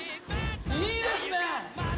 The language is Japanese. いいですね。